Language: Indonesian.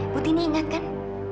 bu tini ingatkan